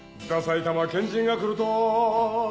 埼玉県人が来ると」